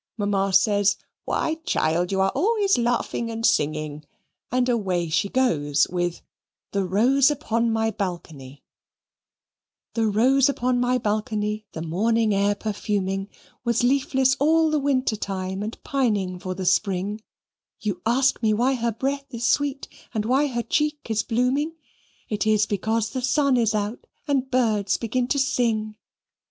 Mamma says "Why, child, you are always laughing and singing," and away she goes, with THE ROSE UPON MY BALCONY The rose upon my balcony the morning air perfuming Was leafless all the winter time and pining for the spring; You ask me why her breath is sweet and why her cheek is blooming, It is because the sun is out and birds begin to sing.